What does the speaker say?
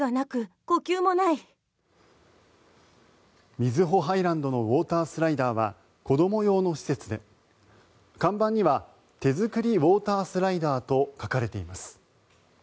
瑞穂ハイランドのウォータースライダーは子ども用の施設で看板には手作りウォータースライダーと書かれています。